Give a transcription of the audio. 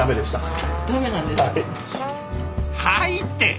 「はい」って！